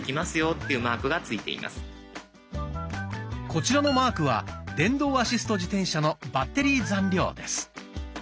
こちらのマークは電動アシスト自転車のバッテリー残量です。